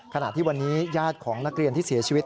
ขณะที่วันนี้ญาติของนักเรียนที่เสียชีวิต